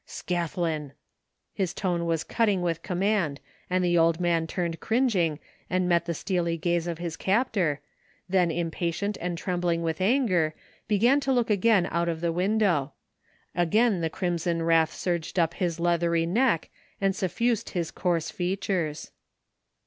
" Scathlin !" His tone was cutting with command and the old man turned cringing and met the steely glance of his captor, then impatient and trembling with anger began to look again out of the window ; again the 15 THE FINDING OP JASPER HOLT crimson wrath surged up his leathery neck and suffused tc his coarse features.